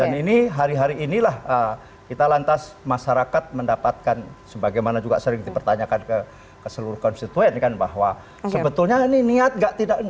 dan ini hari hari inilah kita lantas masyarakat mendapatkan sebagaimana juga sering dipertanyakan ke seluruh konstituen bahwa sebetulnya ini niat tidak tidak